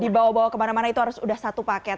dibawa bawa kemana mana itu harus sudah satu paket